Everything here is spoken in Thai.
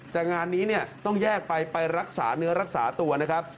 แต่งานนี้เนี่ยต้องแยกไปไปรักษาเนื้อรักษาตัวนะครับ